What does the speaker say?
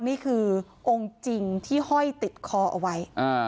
นี่คือองค์จริงที่ห้อยติดคอเอาไว้